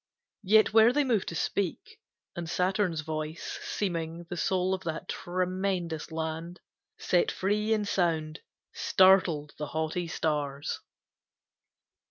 Yet were they moved to speak, and Saturn's voice Seeming the soul of that tremendous land Set free in sound, startled the haughty stars.